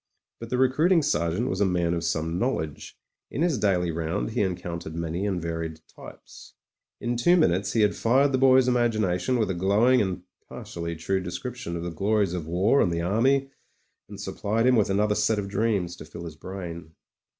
But the recruiting sergeant was a man of some knowledge ; in his daily round he encountered many and varied types. In two minutes he had fired the boy's imagination with a glowing and partially true description of the glories of war and the army, and supplied him with another set of dreams to fill his brain.